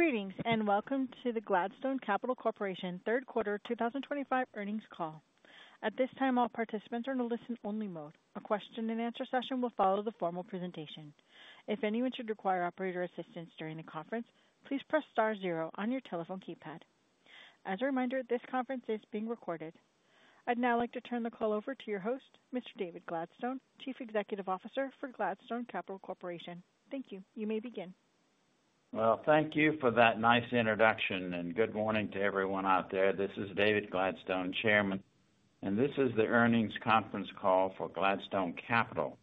Greetings and welcome to the Gladstone Capital Corporation third quarter 2025 earnings call. At this time, all participants are in a listen-only mode. A question and answer session will follow the formal presentation. If anyone should require operator assistance during the conference, please press star zero on your telephone keypad. As a reminder, this conference is being recorded. I'd now like to turn the call over to your host, Mr. David Gladstone, Chief Executive Officer for Gladstone Capital Corporation. Thank you. You may begin. Thank you for that nice introduction and good morning to everyone out there. This is David Gladstone, Chairman, and this is the earnings conference call for Gladstone Capital,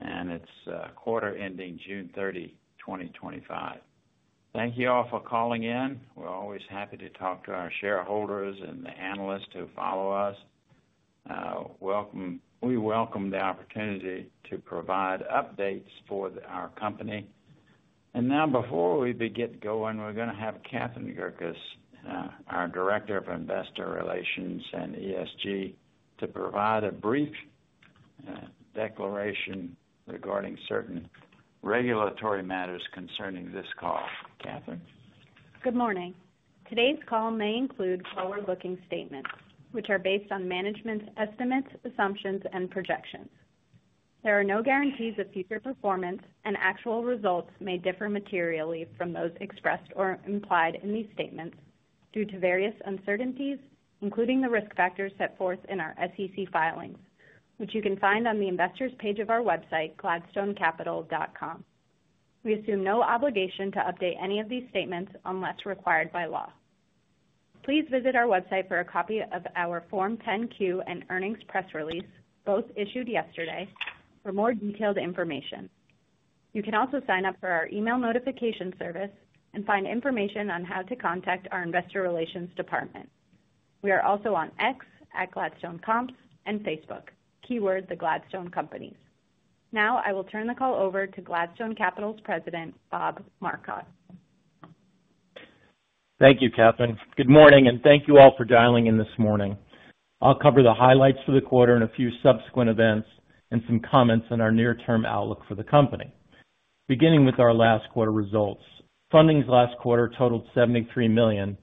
and it's the quarter-ending June 30, 2025. Thank you all for calling in. We're always happy to talk to our shareholders and the analysts who follow us. We welcome the opportunity to provide updates for our company. Before we get going, we're going to have Catherine Gerkis, our Director of Investor Relations and ESG, provide a brief declaration regarding certain regulatory matters concerning this call. Catherine? Good morning. Today's call may include forward-looking statements, which are based on management's estimates, assumptions, and projections. There are no guarantees of future performance, and actual results may differ materially from those expressed or implied in these statements due to various uncertainties, including the risk factors set forth in our SEC filings, which you can find on the investors' page of our website, gladstonecapital.com. We assume no obligation to update any of these statements unless required by law. Please visit our website for a copy of our Form 10-Q and Earnings Press Release, both issued yesterday, for more detailed information. You can also sign up for our email notification service and find information on how to contact our Investor Relations Department. We are also on X @gladstonecomps, and Facebook, keyword the Gladstone Companies. Now, I will turn the call over to Gladstone Capital's President, Bob Marcotte. Thank you, Catherine. Good morning, and thank you all for dialing in this morning. I'll cover the highlights for the quarter and a few subsequent events and some comments on our near-term outlook for the company. Beginning with our last quarter results, fundings last quarter totaled $73 million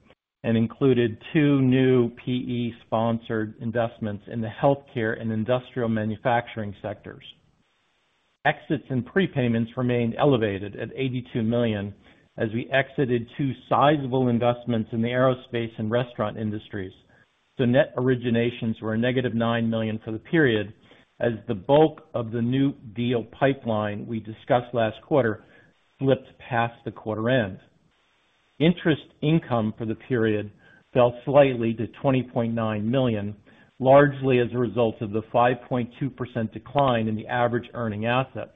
and included two new PE-sponsored investments in the healthcare and industrial manufacturing sectors. Exits and prepayments remained elevated at $82 million as we exited two sizable investments in the aerospace and restaurant industries. The net originations were -$9 million for the period, as the bulk of the new deal pipeline we discussed last quarter slipped past the quarter-end. Interest income for the period fell slightly to $20.9 million, largely as a result of the 5.2% decline in the average earning assets.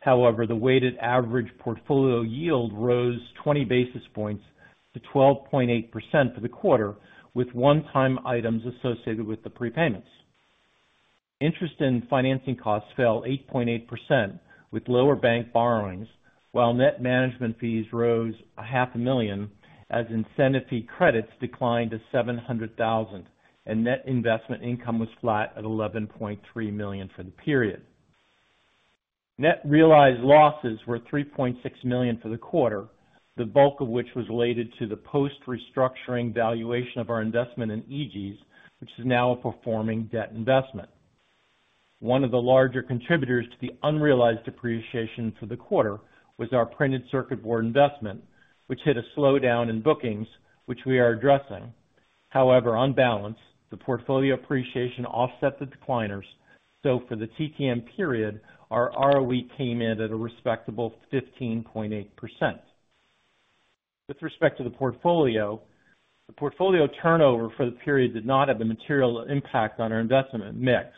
However, the weighted average portfolio yield rose 20 basis points to 12.8% for the quarter, with one-time items associated with the prepayments. Interest and financing costs fell 8.8%, with lower bank borrowings, while net management fees rose half a million, as incentive fee credits declined to $700,000, and net investment income was flat at $11.3 million for the period. Net realized losses were $3.6 million for the quarter, the bulk of which was related to the post-restructuring valuation of our investment in Eegee's, which is now a performing debt investment. One of the larger contributors to the unrealized depreciation for the quarter was our printed circuit board investment, which hit a slowdown in bookings, which we are addressing. However, on balance, the portfolio appreciation offset the decliners, so for the TTM period, our ROE came in at a respectable 15.8%. With respect to the portfolio, the portfolio turnover for the period did not have a material impact on our investment mix,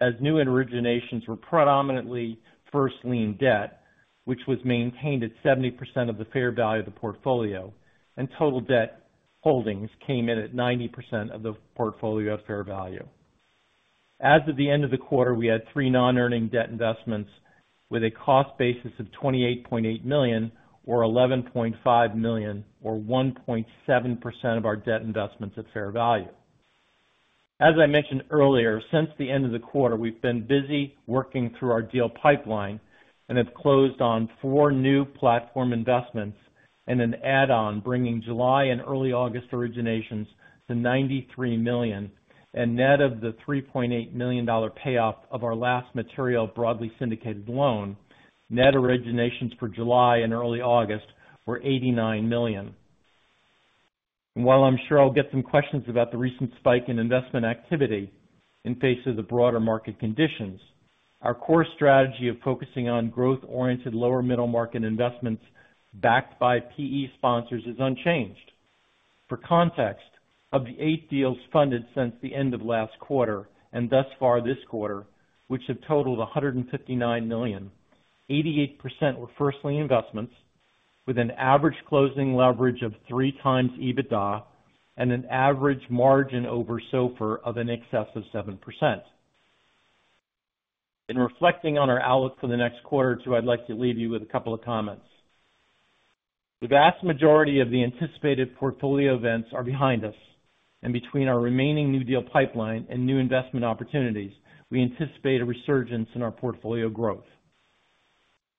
as new originations were predominantly first lien debt, which was maintained at 70% of the fair value of the portfolio, and total debt holdings came in at 90% of the portfolio at fair value. As of the end of the quarter, we had three non-earning debt investments with a cost basis of $28.8 million, or $11.5 million, or 1.7% of our debt investments at fair value. As I mentioned earlier, since the end of the quarter, we've been busy working through our deal pipeline and have closed on four new platform investments and an add-on, bringing July and early August originations to $93 million, and net of the $3.8 million payoff of our last material broadly syndicated loan, net originations for July and early August were $89 million. While I'm sure I'll get some questions about the recent spike in investment activity in face of the broader market conditions, our core strategy of focusing on growth-oriented lower middle market investments backed by PE sponsors is unchanged. For context, of the eight deals funded since the end of last quarter and thus far this quarter, which have totaled $159 million, 88% were first lien investments, with an average closing leverage of three times EBITDA and an average margin over SOFR of in excess of 7%. In reflecting on our outlook for the next quarter or two, I'd like to leave you with a couple of comments. The vast majority of the anticipated portfolio events are behind us, and between our remaining new deal pipeline and new investment opportunities, we anticipate a resurgence in our portfolio growth.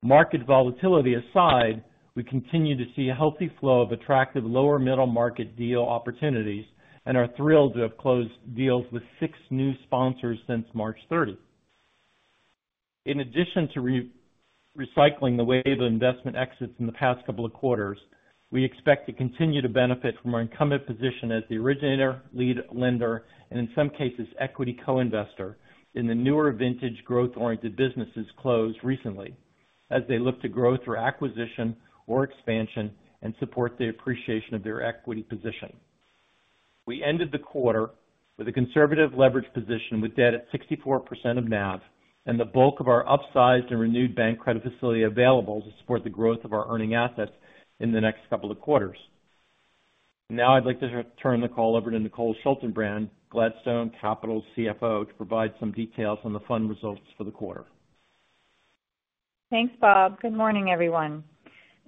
Market volatility aside, we continue to see a healthy flow of attractive lower middle market deal opportunities and are thrilled to have closed deals with six new sponsors since March 30. In addition to recycling the wave of investment exits in the past couple of quarters, we expect to continue to benefit from our incumbent position as the originator, lead lender, and in some cases, equity co-investor in the newer vintage growth-oriented businesses closed recently as they look to growth or acquisition or expansion and support the appreciation of their equity position. We ended the quarter with a conservative leverage position with debt at 64% of NAV and the bulk of our upsized and renewed bank credit facility available to support the growth of our earning assets in the next couple of quarters. Now, I'd like to turn the call over to Nicole Schaltenbrand, Gladstone Capital's CFO, to provide some details on the fund results for the quarter. Thanks, Bob. Good morning, everyone.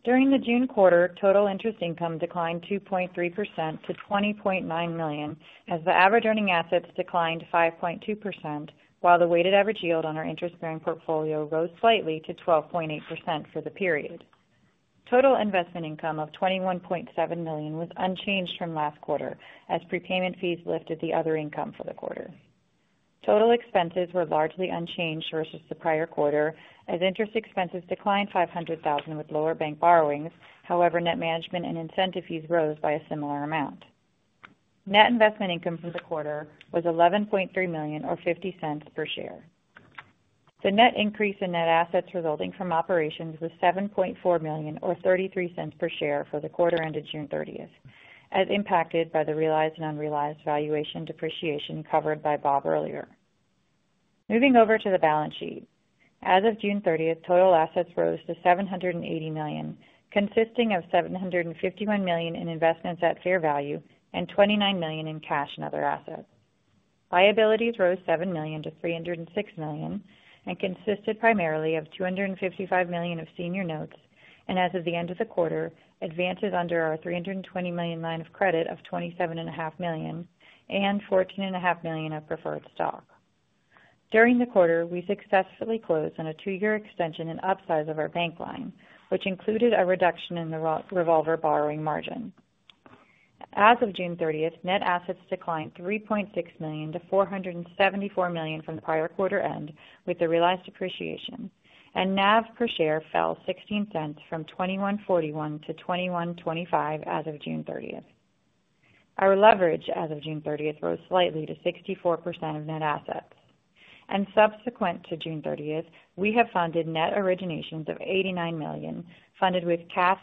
During the June quarter, total interest income declined 2.3% to $20.9 million as the average earning assets declined 5.2%, while the weighted average yield on our interest-bearing portfolio rose slightly to 12.8% for the period. Total investment income of $21.7 million was unchanged from last quarter as prepayment fees lifted the other income for the quarter. Total expenses were largely unchanged versus the prior quarter as interest expenses declined $500,000 with lower bank borrowings, however, net management and incentive fees rose by a similar amount. Net investment income for the quarter was $11.3 million or $0.50 per share. The net increase in net assets resulting from operations was $7.4 million or $0.33 per share for the quarter ended June 30, as impacted by the realized and unrealized valuation depreciation covered by Bob earlier. Moving over to the balance sheet, as of June 30, total assets rose to $780 million, consisting of $751 million in investments at fair value and $29 million in cash and other assets. Liabilities rose $7 million-$306 million and consisted primarily of $255 million of senior notes and, as of the end of the quarter, advances under our $320 million line of credit of $27.5 million and $14.5 million of preferred stock. During the quarter, we successfully closed on a two-year extension and upsize of our bank line, which included a reduction in the revolver borrowing margin. As of June 30, net assets declined $3.6 million-$474 million from the prior quarter-end with the realized appreciation, and NAV per share fell $0.16 from $21.41-$21.25 as of June 30. Our leverage as of June 30 rose slightly to 64% of net assets. Subsequent to June 30, we have funded net originations of $89 million, funded with cash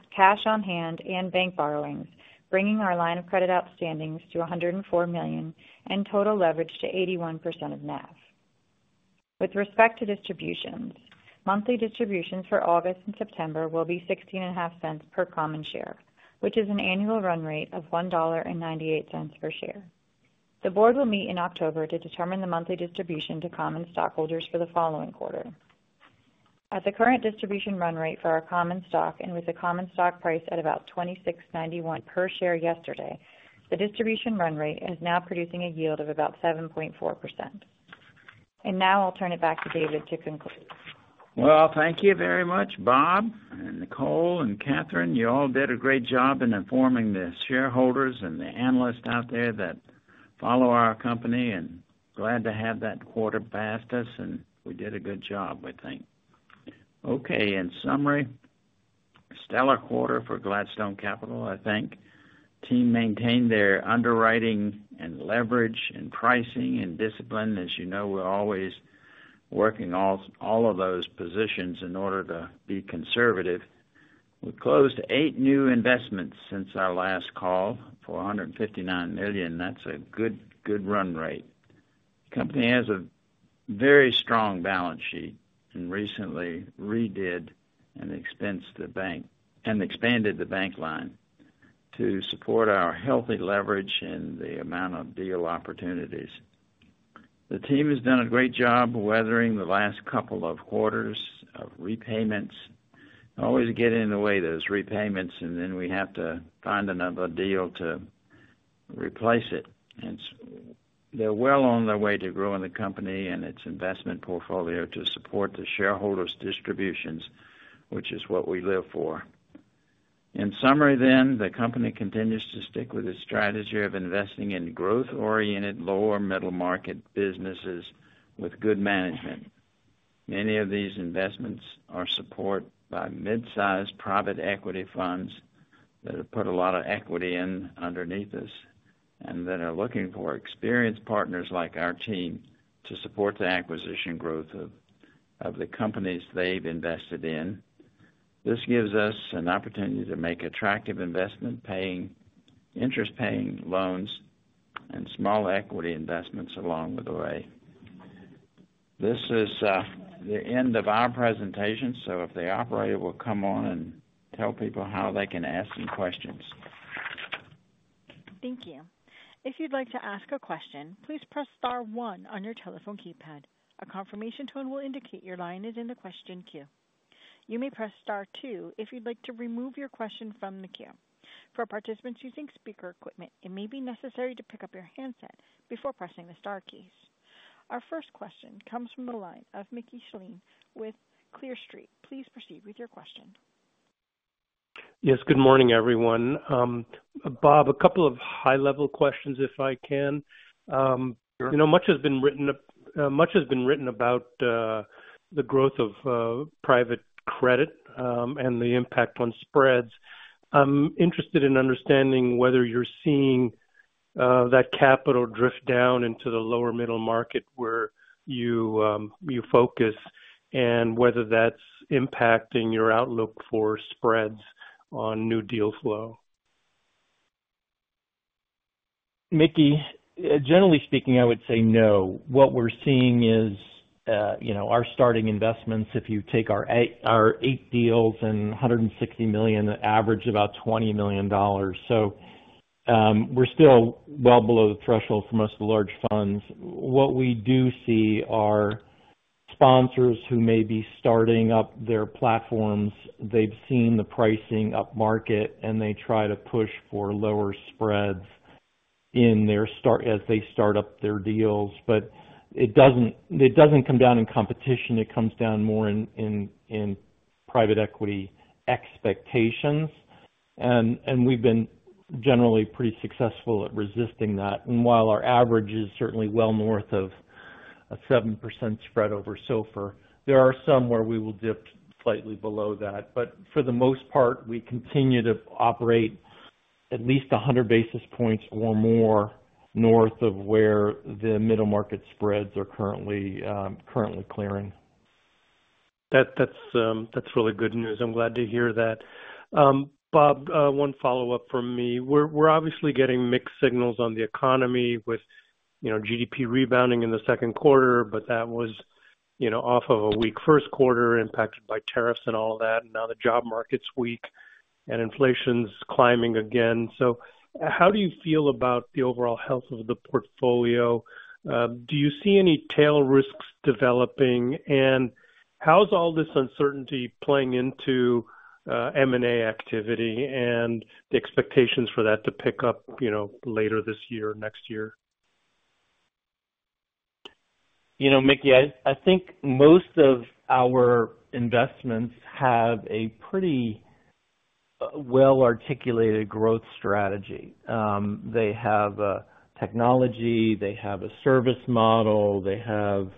on hand and bank borrowings, bringing our line of credit outstandings to $104 million and total leverage to 81% of NAV. With respect to distributions, monthly distributions for August and September will be $0.1650 per common share, which is an annual run rate of $1.98 per share. The board will meet in October to determine the monthly distribution to common stockholders for the following quarter. At the current distribution run rate for our common stock and with a common stock price at about $26.91 per share yesterday, the distribution run rate is now producing a yield of about 7.4%. I'll turn it back to David to conclude. Thank you very much, Bob and Nicole and Catherine. You all did a great job in informing the shareholders and the analysts out there that follow our company, and glad to have that quarter passed us, and we did a good job, I think. In summary, a stellar quarter for Gladstone Capital, I think. Team maintained their underwriting and leverage and pricing and discipline. As you know, we're always working all of those positions in order to be conservative. We closed eight new investments since our last call for $159 million. That's a good run rate. The company has a very strong balance sheet and recently redid and expanded the bank line to support our healthy leverage and the amount of deal opportunities. The team has done a great job weathering the last couple of quarters of repayments. Always get in the way of those repayments, and then we have to find another deal to replace it. They're well on their way to growing the company and its investment portfolio to support the shareholders' distributions, which is what we live for. In summary, the company continues to stick with its strategy of investing in growth-oriented lower middle market businesses with good management. Many of these investments are supported by mid-sized private equity funds that have put a lot of equity in underneath us and that are looking for experienced partners like our team to support the acquisition growth of the companies they've invested in. This gives us an opportunity to make attractive investment paying, interest-paying loans, and small equity investments along with the way. This is the end of our presentation, so if the operator will come on and tell people how they can ask some questions. Thank you. If you'd like to ask a question, please press star one on your telephone keypad. A confirmation tone will indicate your line is in the question queue. You may press star two if you'd like to remove your question from the queue. For participants using speaker equipment, it may be necessary to pick up your handset before pressing the star keys. Our first question comes from the line of Mickey Schleien with Clear Street. Please proceed with your question. Yes, good morning, everyone. Bob, a couple of high-level questions if I can. Much has been written about the growth of private credit and the impact on spreads. I'm interested in understanding whether you're seeing that capital drift down into the lower middle market where you focus and whether that's impacting your outlook for spreads on new deal flow. Mickey, generally speaking, I would say no. What we're seeing is, you know, our starting investments, if you take our eight deals and $160 million, average about $20 million. We're still well below the threshold for most of the large funds. What we do see are sponsors who may be starting up their platforms. They've seen the pricing up market, and they try to push for lower spreads as they start up their deals. It doesn't come down in competition. It comes down more in private equity expectations. We've been generally pretty successful at resisting that. While our average is certainly well north of a 7% spread over SOFR, there are some where we will dip slightly below that. For the most part, we continue to operate at least 100 basis points or more north of where the middle market spreads are currently clearing. That's really good news. I'm glad to hear that. Bob, one follow-up from me. We're obviously getting mixed signals on the economy with GDP rebounding in the second quarter, but that was off of a weak first quarter impacted by tariffs and all of that. Now the job market's weak and inflation's climbing again. How do you feel about the overall health of the portfolio? Do you see any tail risks developing? How is all this uncertainty playing into M&A activity and the expectations for that to pick up later this year or next year? You know, Mickey, I think most of our investments have a pretty well-articulated growth strategy. They have a technology, they have a service model, they have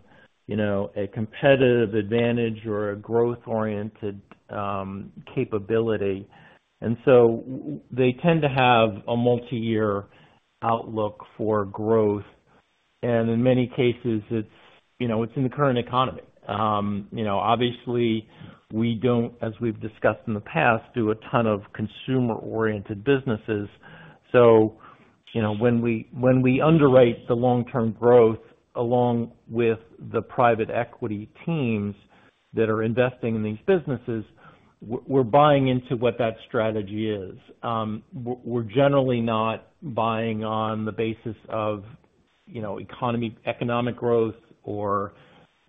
a competitive advantage or a growth-oriented capability. They tend to have a multi-year outlook for growth. In many cases, it's in the current economy. Obviously, we don't, as we've discussed in the past, do a ton of consumer-oriented businesses. When we underwrite the long-term growth along with the private equity teams that are investing in these businesses, we're buying into what that strategy is. We're generally not buying on the basis of economic growth or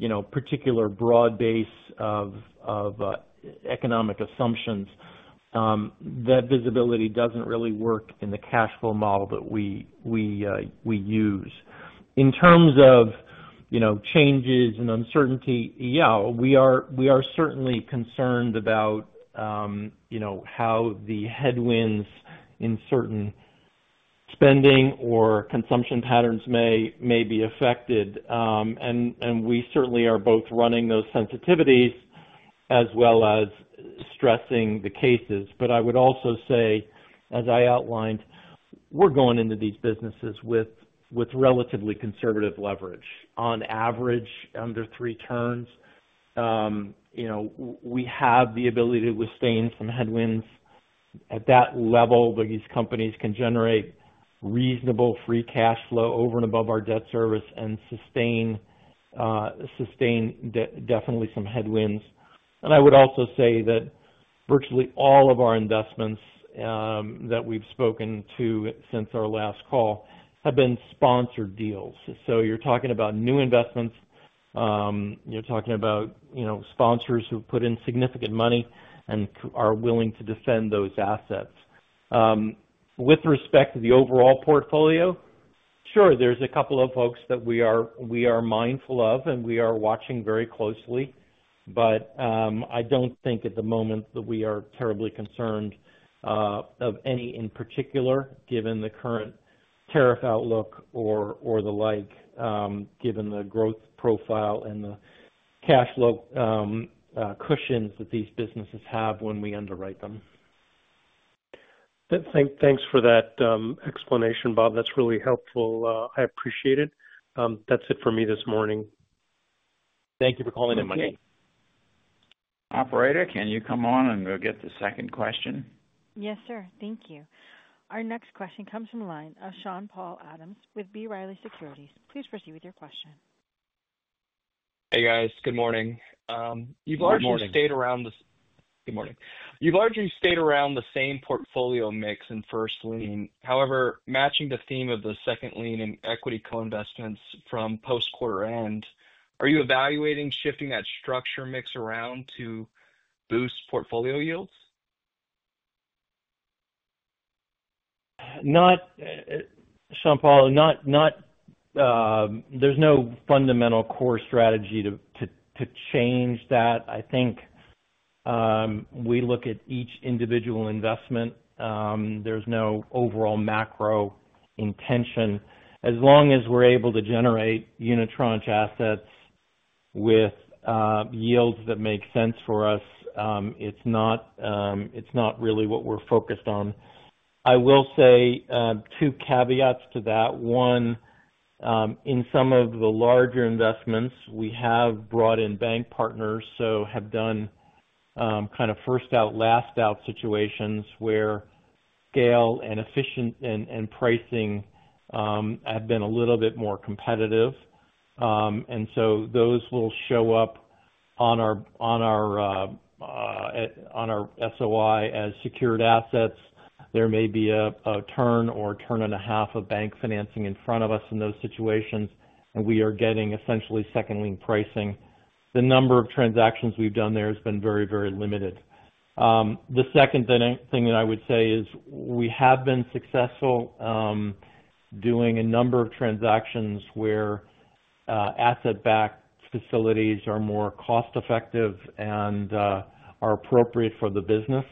a particular broad base of economic assumptions. That visibility doesn't really work in the cash flow model that we use. In terms of changes and uncertainty, yeah, we are certainly concerned about how the headwinds in certain spending or consumption patterns may be affected. We certainly are both running those sensitivities as well as stressing the cases. I would also say, as I outlined, we're going into these businesses with relatively conservative leverage. On average, under three turns, we have the ability to withstand some headwinds at that level, but these companies can generate reasonable free cash flow over and above our debt service and sustain definitely some headwinds. I would also say that virtually all of our investments that we've spoken to since our last call have been sponsored deals. You're talking about new investments. You're talking about sponsors who put in significant money and are willing to defend those assets. With respect to the overall portfolio, sure, there's a couple of folks that we are mindful of and we are watching very closely. I don't think at the moment that we are terribly concerned of any in particular, given the current tariff outlook or the like, given the growth profile and the cash flow cushions that these businesses have when we underwrite them. Thanks for that explanation, Bob. That's really helpful. I appreciate it. That's it for me this morning. Thank you for calling in, Mickey. Operator, can you come on and get the second question? Yes, sir. Thank you. Our next question comes from the line of Sean-Paul Adams with B. Riley Securities. Please proceed with your question. Good morning. You've largely stayed around the same portfolio mix in first lien. However, matching the theme of the second lien and equity co-investments from post-quarter end, are you evaluating shifting that structure mix around to boost portfolio yields? There's no fundamental core strategy to change that. I think we look at each individual investment. There's no overall macro intention. As long as we're able to generate unitranche assets with yields that make sense for us, it's not really what we're focused on. I will say two caveats to that. One, in some of the larger investments, we have brought in bank partners, so have done kind of first out, last out situations where scale and efficiency and pricing have been a little bit more competitive. Those will show up on our SOI as secured assets. There may be a turn or a turn and a half of bank financing in front of us in those situations, and we are getting essentially second lien pricing. The number of transactions we've done there has been very, very limited. The second thing that I would say is we have been successful doing a number of transactions where asset-backed facilities are more cost-effective and are appropriate for the business.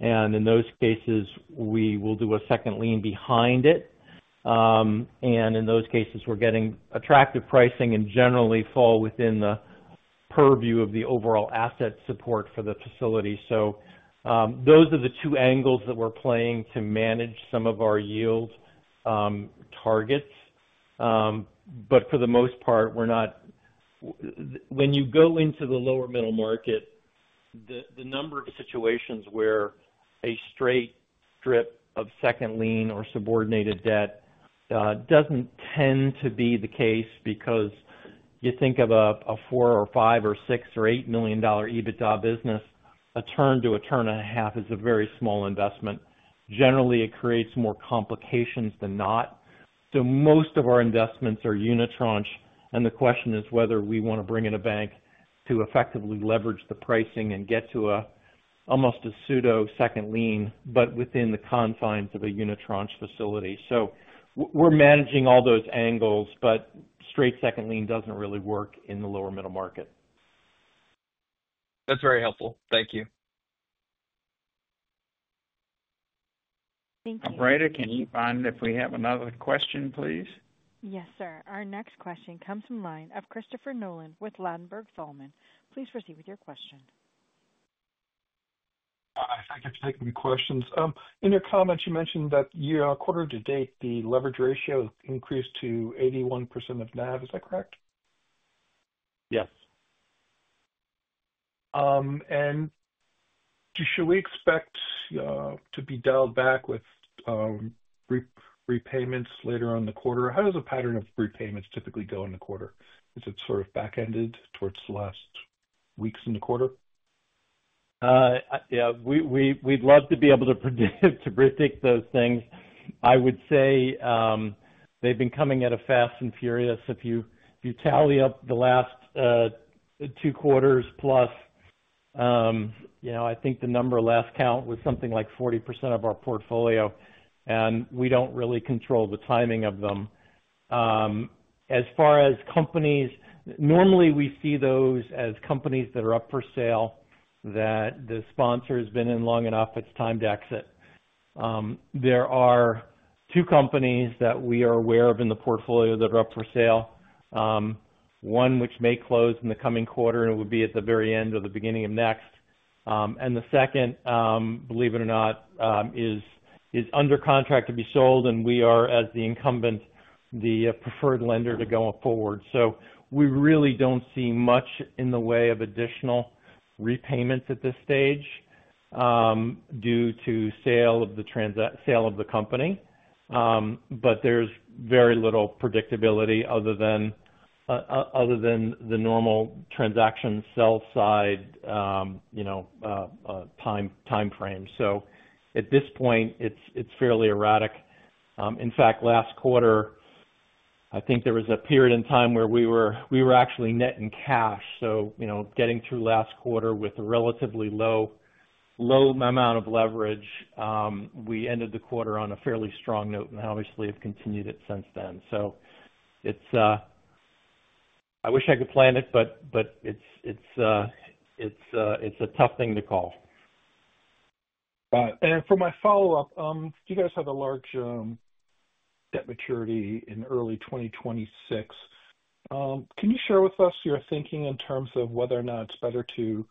In those cases, we will do a second lien behind it. In those cases, we're getting attractive pricing and generally fall within the purview of the overall asset support for the facility. Those are the two angles that we're playing to manage some of our yield targets. For the most part, we're not... When you go into the lower middle market, the number of situations where a straight strip of second lien or subordinated debt doesn't tend to be the case because you think of a $4 million or $5 million or $6 million or $8 million EBITDA business, a turn to a turn and a half is a very small investment. Generally, it creates more complications than not. Most of our investments are unitranche, and the question is whether we want to bring in a bank to effectively leverage the pricing and get to almost a pseudo second lien, but within the confines of a unitranche facility. We're managing all those angles, but straight second lien doesn't really work in the lower middle market. That's very helpful. Thank you. Thank you. Operator, can you find if we have another question, please? Yes, sir. Our next question comes from the line of Christopher Nolan with Ladenburg Thalmann. Please proceed with your question. I think I've taken your questions. In your comments, you mentioned that your quarter to date, the leverage ratio increased to 81% of NAV. Is that correct? Yes. Should we expect to be dialed back with repayments later on in the quarter? How does a pattern of repayments typically go in the quarter? Is it sort of back-ended towards the last weeks in the quarter? Yeah, we'd love to be able to predict those things. I would say they've been coming at a fast and furious pace. If you tally up the last two quarters plus, you know, I think the number last count was something like 40% of our portfolio, and we don't really control the timing of them. As far as companies, normally we see those as companies that are up for sale, that the sponsor has been in long enough, it's time to exit. There are two companies that we are aware of in the portfolio that are up for sale. One, which may close in the coming quarter, and it would be at the very end or the beginning of next. The second, believe it or not, is under contract to be sold, and we are, as the incumbent, the preferred lender to go forward. We really don't see much in the way of additional repayments at this stage due to sale of the company. There's very little predictability other than the normal transaction sell side time frame. At this point, it's fairly erratic. In fact, last quarter, I think there was a period in time where we were actually net in cash. Getting through last quarter with a relatively low amount of leverage, we ended the quarter on a fairly strong note and obviously have continued it since then. I wish I could plan it, but it's a tough thing to call. For my follow-up, you guys have a large debt maturity in early 2026. Can you share with us your thinking in terms of whether or not it's better to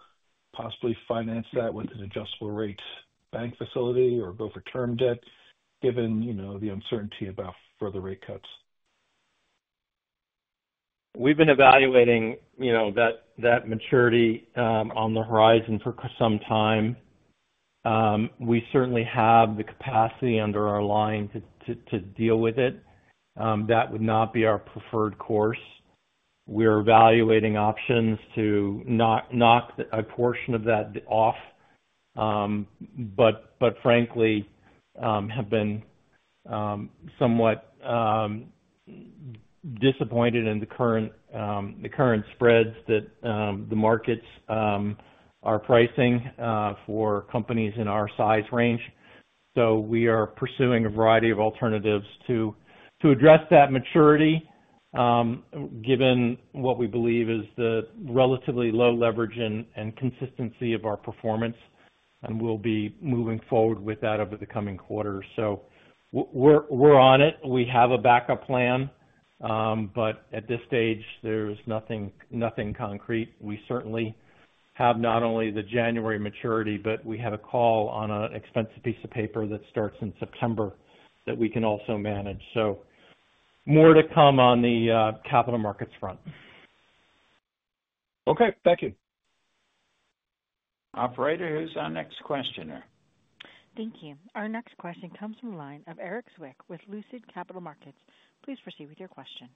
possibly finance that with an adjustable rate bank credit facility or over term debt, given the uncertainty about further rate cuts? We've been evaluating that maturity on the horizon for some time. We certainly have the capacity under our line to deal with it. That would not be our preferred course. We're evaluating options to knock a portion of that off, but frankly, have been somewhat disappointed in the current spreads that the markets are pricing for companies in our size range. We are pursuing a variety of alternatives to address that maturity, given what we believe is the relatively low leverage and consistency of our performance, and we'll be moving forward with that over the coming quarter. We're on it. We have a backup plan, but at this stage, there's nothing concrete. We certainly have not only the January maturity, but we have a call on an expensive piece of paper that starts in September that we can also manage. More to come on the capital markets front. Okay, thank you. Operator, who's our next questioner? Thank you. Our next question comes from the line of Erik Zwick with Lucid Capital Markets. Please proceed with your question.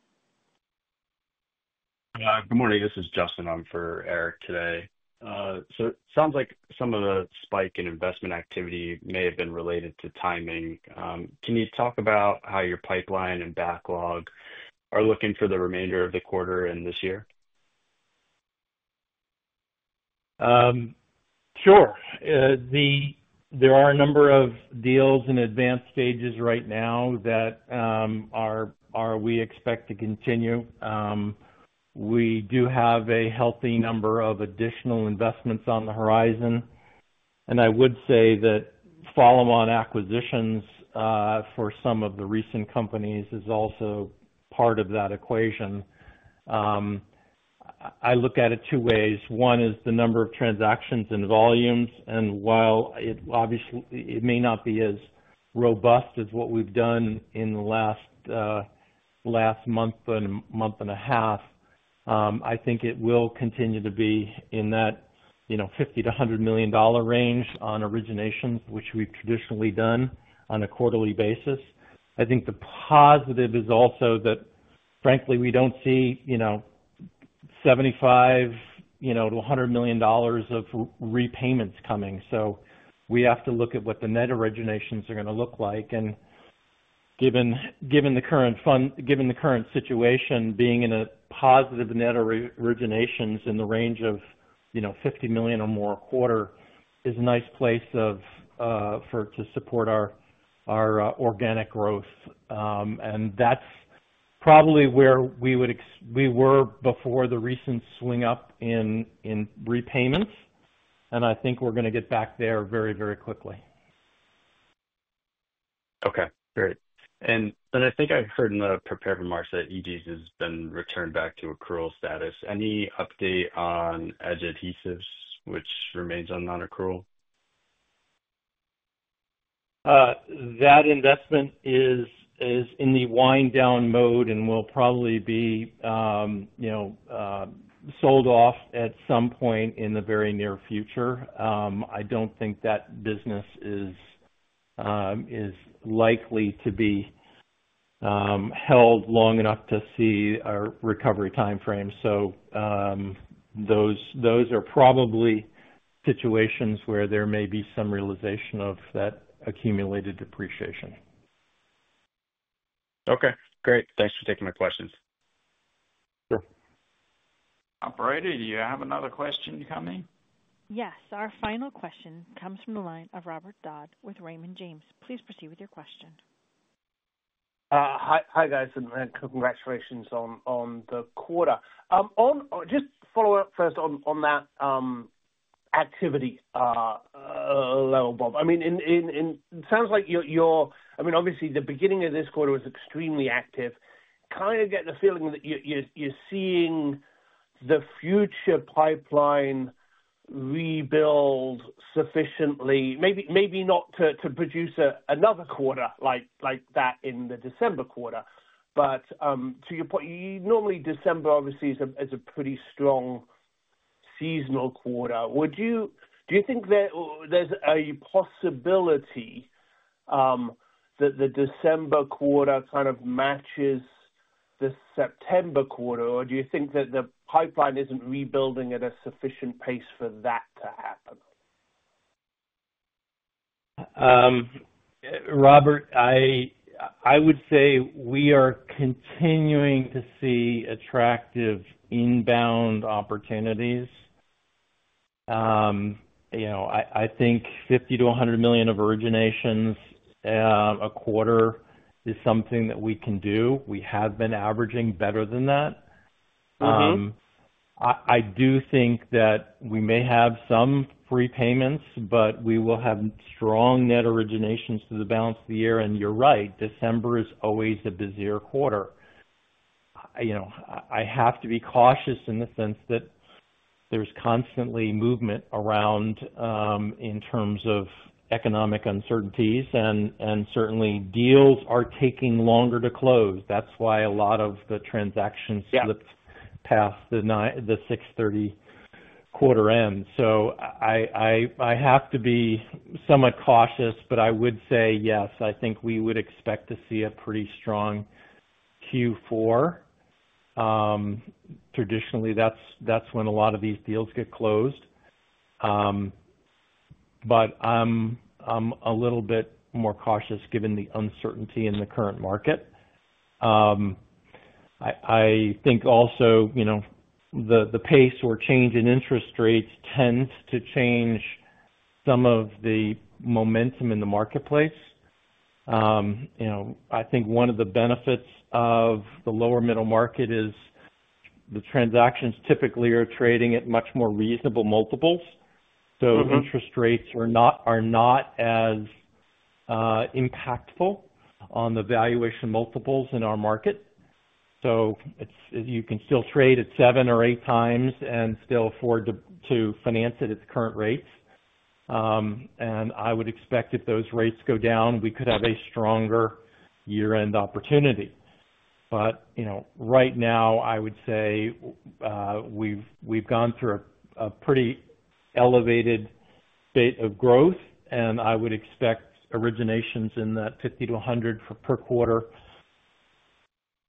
Good morning. This is Justin. I'm for Erik today. It sounds like some of the spike in investment activity may have been related to timing. Can you talk about how your pipeline and backlog are looking for the remainder of the quarter and this year? Sure. There are a number of deals in advanced stages right now that we expect to continue. We do have a healthy number of additional investments on the horizon. I would say that follow-on acquisitions for some of the recent companies is also part of that equation. I look at it two ways. One is the number of transactions and volumes, and while it obviously may not be as robust as what we've done in the last month and a month and a half, I think it will continue to be in that $50-$100 million range on originations, which we've traditionally done on a quarterly basis. The positive is also that, frankly, we don't see $75-$100 million of repayments coming. We have to look at what the net originations are going to look like. Given the current situation, being in a positive net originations in the range of $50 million or more a quarter is a nice place for us to support our organic growth. That's probably where we were before the recent swing up in repayments. I think we're going to get back there very, very quickly. Okay. Great. I think I heard in the prepared remarks that Eegee's has been returned back to accrual status. Any update on Edge Adhesives, which remains on non-accrual? That investment is in the wind-down mode and will probably be, you know, sold off at some point in the very near future. I don't think that business is likely to be held long enough to see a recovery timeframe. Those are probably situations where there may be some realization of that accumulated depreciation. Okay. Great, thanks for taking my questions. Sure. Operator, do you have another question coming? Yes. Our final question comes from the line of Robert Dodd with Raymond James. Please proceed with your question. Hi, guys, and congratulations on the quarter. Just follow up first on that activity level, Bob. It sounds like you're, obviously, the beginning of this quarter was extremely active. Kind of get the feeling that you're seeing the future pipeline rebuild sufficiently, maybe not to produce another quarter like that in the December quarter. To your point, you normally, December obviously is a pretty strong seasonal quarter. Do you think there's a possibility that the December quarter kind of matches the September quarter, or do you think that the pipeline isn't rebuilding at a sufficient pace for that to happen? Robert, I would say we are continuing to see attractive inbound opportunities. I think $50 million-$100 million of originations a quarter is something that we can do. We have been averaging better than that. I do think that we may have some prepayments, but we will have strong net originations through the balance of the year. You're right, December is always a busier quarter. I have to be cautious in the sense that there's constantly movement around in terms of economic uncertainties, and certainly, deals are taking longer to close. That's why a lot of the transactions slip past the 6/30 quarter-end. I have to be somewhat cautious, but I would say yes, I think we would expect to see a pretty strong Q4. Traditionally, that's when a lot of these deals get closed. I'm a little bit more cautious given the uncertainty in the current market. I think also the pace or change in interest rates tends to change some of the momentum in the marketplace. I think one of the benefits of the lower middle market is the transactions typically are trading at much more reasonable multiples. Interest rates are not as impactful on the valuation multiples in our market. You can still trade at seven or eight times and still afford to finance at its current rates. I would expect if those rates go down, we could have a stronger year-end opportunity. Right now, I would say we've gone through a pretty elevated state of growth, and I would expect originations in that $50 million-$100 million per quarter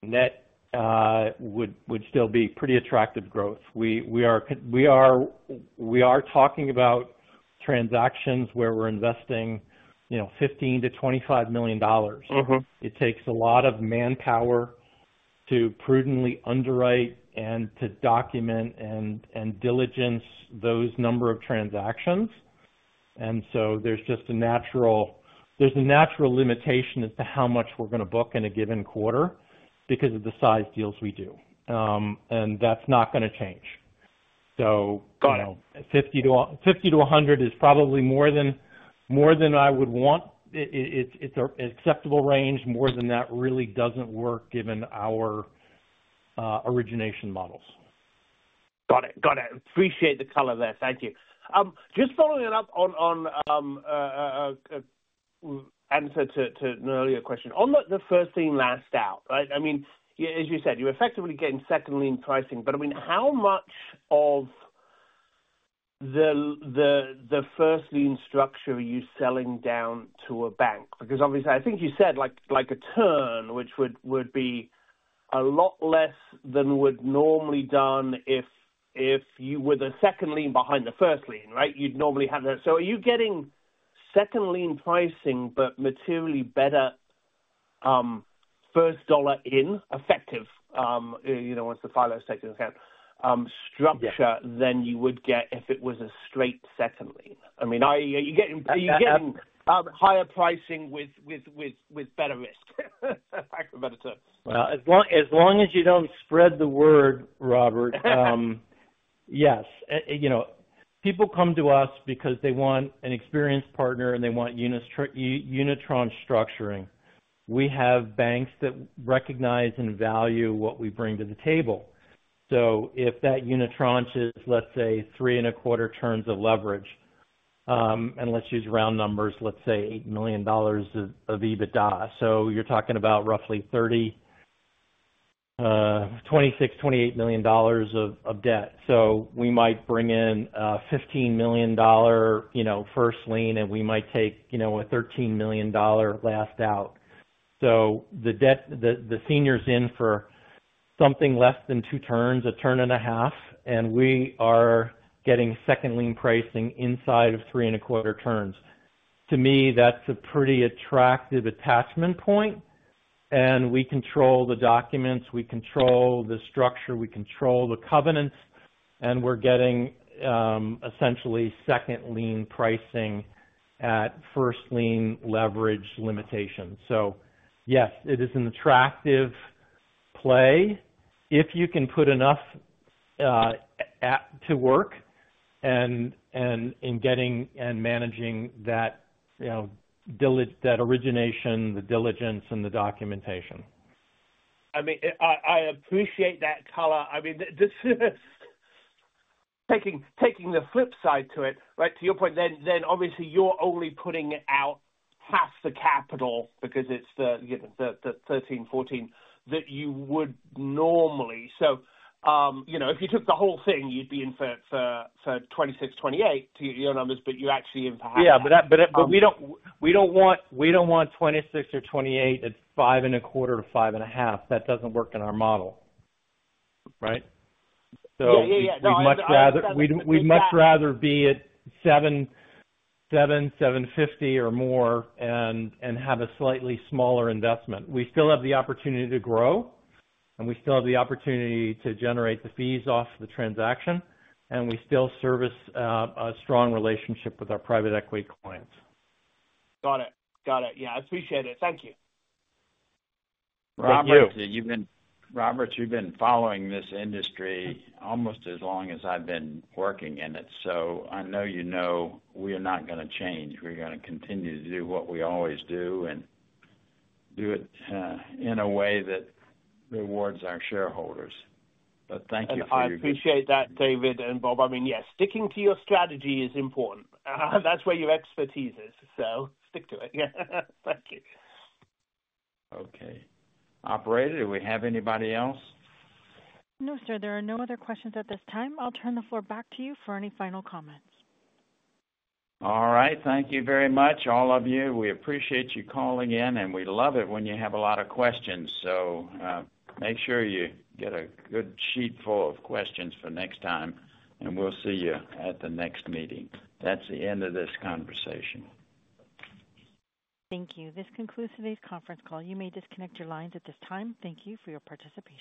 net would still be pretty attractive growth. We are talking about transactions where we're investing $15 million-$25 million. It takes a lot of manpower to prudently underwrite and to document and diligence those number of transactions. There's just a natural limitation as to how much we're going to book in a given quarter because of the size deals we do. That's not going to change. $50 million-$100 million is probably more than I would want. It's an acceptable range. More than that really doesn't work given our origination models. Got it. Appreciate the color there. Thank you. Just following up on the answer to an earlier question, on the first lien last out, right? I mean, as you said, you're effectively getting second lien pricing. How much of the first lien structure are you selling down to a bank? Because obviously, I think you said like a turn, which would be a lot less than would normally be done if you were the second lien behind the first lien, right? You'd normally have that. Are you getting second lien pricing, but materially better first dollar in effective, you know, once the FILO's taken account, structure than you would get if it was a straight second lien? I mean, are you getting higher pricing with better risk, for lack of a better term? As long as you don't spread the word, Robert. Yes. You know, people come to us because they want an experienced partner and they want unitranche structuring. We have banks that recognize and value what we bring to the table. If that unitranche is, let's say, three and a quarter turns of leverage, and let's use round numbers, let's say $8 million of EBITDA, you're talking about roughly $26 million-$28 million of debt. We might bring in a $15 million first lien, and we might take a $13 million last out. The senior's in for something less than two turns, a turn and a half, and we are getting second lien pricing inside of three and a quarter turns. To me, that's a pretty attractive attachment point. We control the documents, we control the structure, we control the covenants, and we're getting essentially second lien pricing at first lien leverage limitations. Yes, it is an attractive play if you can put enough to work and manage that origination, the diligence, and the documentation. I appreciate that color. Taking the flip side to it, right, to your point, obviously you're only putting out half the capital because it's the $13-$14 that you would normally. If you took the whole thing, you'd be in for $26-$28, to your numbers, but you actually impact. Yeah, we don't want 26 or 28 at 5.25%-5.5%. That doesn't work in our model, right? Yeah, yeah. We'd much rather be at $7, $7, $7.50 or more and have a slightly smaller investment. We still have the opportunity to grow, and we still have the opportunity to generate the fees off the transaction, and we still service a strong relationship with our private equity clients. Got it. Yeah, I appreciate it. Thank you. Robert, you've been following this industry almost as long as I've been working in it. I know you know we're not going to change. We're going to continue to do what we always do and do it in a way that rewards our shareholders. Thank you for your time. I appreciate that, David and Bob. Yes, sticking to your strategy is important. That's where your expertise is, so stick to it. Yeah, thank you. Okay. Operator, do we have anybody else? No, sir. There are no other questions at this time. I'll turn the floor back to you for any final comments. All right. Thank you very much, all of you. We appreciate you calling in, and we love it when you have a lot of questions. Make sure you get a good sheet full of questions for next time, and we'll see you at the next meeting. That's the end of this conversation. Thank you. This concludes today's conference call. You may disconnect your lines at this time. Thank you for your participation.